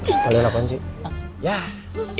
maksud kalian apaan sih